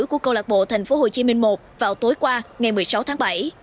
của câu lạc bộ tp hcm một vào tối qua ngày một mươi sáu tháng bảy